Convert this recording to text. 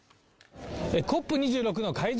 ＣＯＰ２６の会場